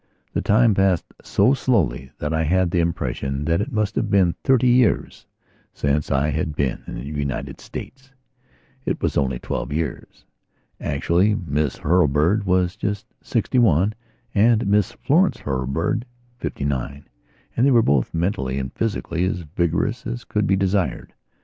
The time had passed so slowly that I had the impression that it must have been thirty years since I had been in the United States. It was only twelve years. Actually Miss Hurlbird was just sixty one and Miss Florence Hurlbird fifty nine, and they were both, mentally and physically, as vigorous as could be desired.